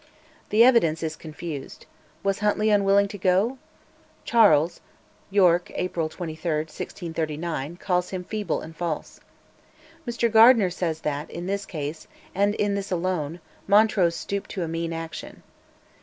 (The evidence is confused. Was Huntly unwilling to go? Charles (York, April 23, 1639) calls him "feeble and false." Mr Gardiner says that, in this case, and in this alone, Montrose stooped to a mean action.)